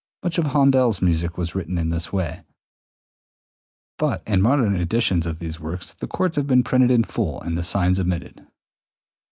Much of Handel's music was written in this way, but in modern editions of these works the chords have been printed in full and the signs omitted.